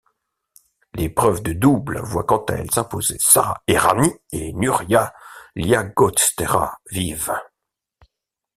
L'épreuve de double voit quant à elle s'imposer Sara Errani et Nuria Llagostera Vives.